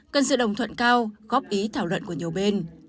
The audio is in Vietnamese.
cần sự đồng thuận cao góp ý thảo luận của nhiều bên